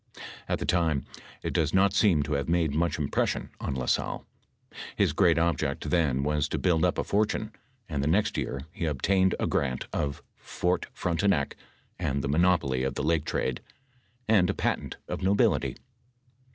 At the time it does not seem to have made much impression on La "Salle ; his great object then was to build up a fortune, and the next year he obtained a grant of Fort Frontenac and the monopoly of the lake trade and a patent of nobility.